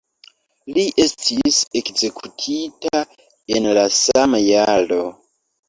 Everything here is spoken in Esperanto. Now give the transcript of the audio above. Li estis ekzekutita en la sama jaro.